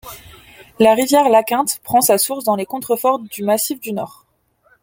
La rivière La Quinte prend sa source dans les contreforts du massif du Nord.